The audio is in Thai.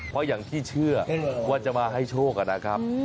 เพราะอย่างที่เชื่อว่าจะมาให้โชคนะครับ